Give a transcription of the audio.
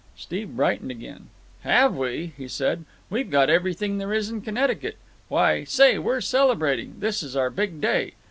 Steve brightened again. "Have we?" he said. "We've got everything there is in Connecticut! Why, say, we're celebrating. This is our big day.